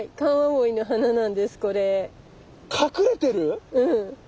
うん。